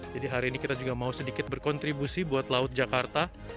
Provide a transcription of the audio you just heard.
jadi hari ini kita juga mau sedikit berkontribusi buat laut jakarta